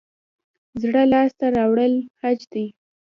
زړه لاس ته راوړل حج دی